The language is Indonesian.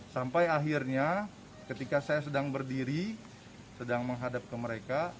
sampai akhirnya ketika saya sedang berdiri sedang menghadap ke mereka